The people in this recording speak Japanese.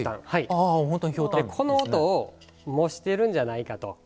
この音を模してるんじゃないかと。